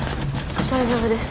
大丈夫です。